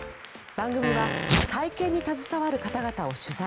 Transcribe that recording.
番組は再建に携わる方々を取材。